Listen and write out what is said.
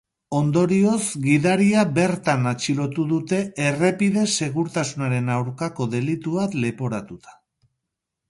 Ondorioz, gidari bertan atxilotu dute errepide-segurtasunaren aurkako delitua leporatuta.